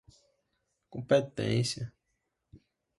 competência